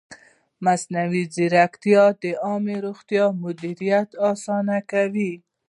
مصنوعي ځیرکتیا د عامې روغتیا مدیریت اسانه کوي.